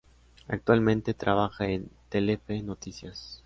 Actualmente trabaja en Telefe Noticias.